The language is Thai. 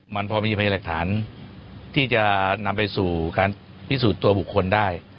มันพอมีพยายามหลักฐานที่จะนำไปสู่การพิสูจน์ตัวบุคคลได้